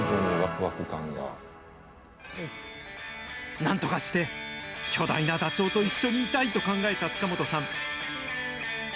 なんとかして巨大なダチョウと一緒にいたいと考えた塚本さん。